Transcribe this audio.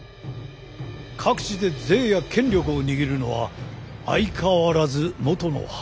各地で税や権力を握るのは相変わらず元の藩主たちだ。